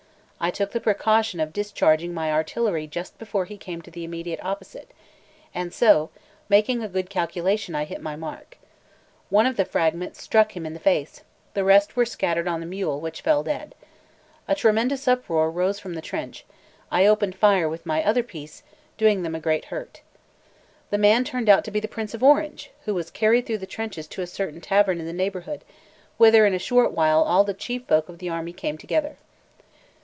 I took the precaution of discharging my artillery just before he came immediately opposite; and so, making a good calculation, I hit my mark. One of the fragments struck him in the face; the rest were scattered on the mule, which fell dead. A tremendous uproar rose up from the trench; I opened fire with my other piece, doing them great hurt. The man turned out to be the Prince of Orange, who was carried through the trenches to a certain tavern in the neighbourhood, whither in a short while all the chief folk of the army came together.